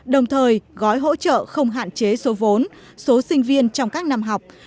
đồng thời gói hỗ trợ không hạn chế số vốn số sinh viên trong các năm học